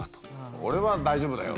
「俺は大丈夫だよ」と。